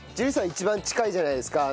一番近いじゃないですか。